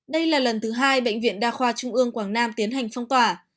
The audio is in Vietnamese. đây là lần thứ hai bệnh viện đa khoa trung ương quảng nam tiến hành phong tỏa